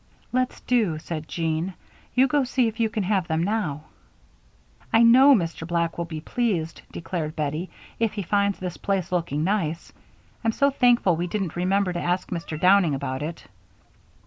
"Let's do," said Jean. "You go see if you can have them now." "I know Mr. Black will be pleased," declared Bettie, "if he finds this place looking nice. I'm so thankful we didn't remember to ask Mr. Downing about it."